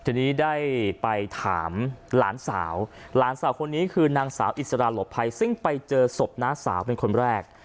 ทีนี้ได้ไปถามหลานสาวหลานสาวคนนี้คือนางสาวอิสราหลบภัยซึ่งไปเจอศพน้าสาวเป็นคนแรก